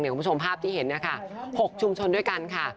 คุณผู้ชมภาพที่เห็น๖ชุมชนด้วยกันค่ะ